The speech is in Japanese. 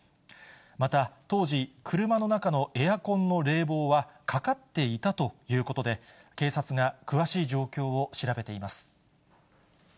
また当時、車の中のエアコンの冷房はかかっていたということで、警察が詳しい状況を調べています。